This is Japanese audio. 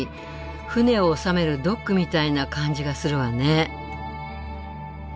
船を収めるドックみたいな感じがするわね。